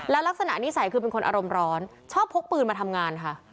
ลักษณะนิสัยคือเป็นคนอารมณ์ร้อนชอบพกปืนมาทำงานค่ะ